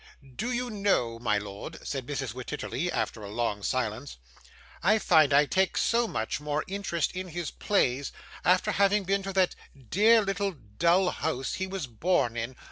'Do you know, my lord,' said Mrs. Wititterly, after a long silence, 'I find I take so much more interest in his plays, after having been to that dear little dull house he was born in!